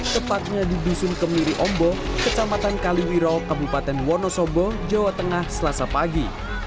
tepatnya di dusun kemiri ombo kecamatan kaliwiro kabupaten wonosobo jawa tengah selasa pagi